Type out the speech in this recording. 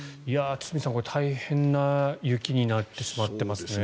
堤さん、これ大変な雪になってしまってますね。